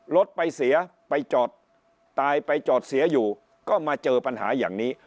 รถไปเสียไปจอดตายไปจอดเสียอยู่ก็มาเจอปัญหาอย่างนี้